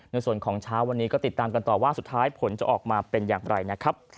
ในส่วนของเช้าวันนี้ก็ติดตามกันต่อว่าสุดท้ายผลจะออกมาเป็นอย่างไรนะครับ